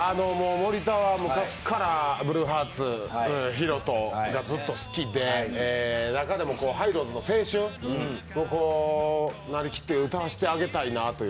森田は昔からＴＨＥＢＬＵＥＨＥＡＲＴＳヒロトがずっと好きで中でもＴＨＥＨＩＧＨ−ＬＯＷＳの「青春」を成りきって歌わせてあげたいなと。